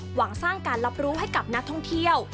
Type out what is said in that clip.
หวังสร้างการรับรู้ให้กับนักท่องเที่ยว